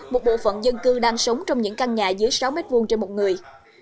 một bộ phận dân cư đang sống trong những căn nhà dưới sáu m hai trên một người